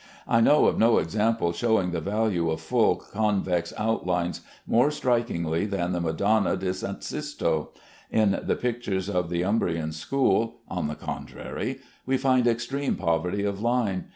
I know of no example showing the value of full convex outlines more strikingly than the Madonna di S. Sisto. In the pictures of the Umbrian school, on the contrary, we find extreme poverty of line.